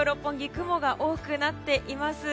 雲が多くなっています。